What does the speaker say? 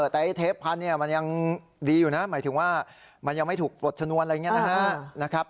แต่ไอ้เทปพันธุ์มันยังดีอยู่นะหมายถึงว่ามันยังไม่ถูกปลดชนวนอะไรอย่างนี้นะครับ